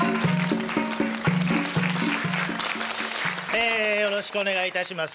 えよろしくお願いいたします。